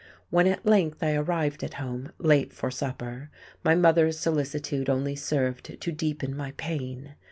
When at length I arrived at home, late for supper, my mother's solicitude only served to deepen my pain.